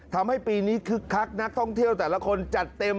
ทำให้ปีนี้คึกคักนักท่องเที่ยวแต่ละคนจัดเต็ม